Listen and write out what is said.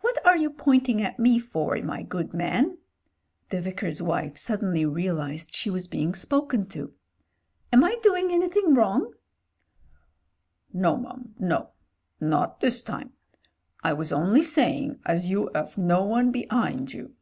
"What are you pointing at me for, my good man ?" The Vicar's wife suddenly realised she was being spoken to. "Am I doing anything wrong?" "No, mum, no. Not this time. I was only saying as you 'ave no one behind you."